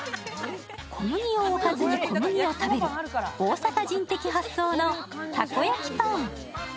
小麦をおかずに小麦を食べる、大阪人的発想のたこ焼きパン。